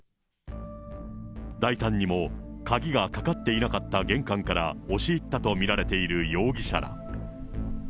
大胆にも鍵がかかっていなかった玄関から押し入ったと見られている容疑者ら。